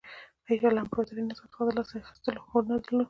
هېچا له امپراتوري نظام څخه د لاس اخیستو هوډ نه درلود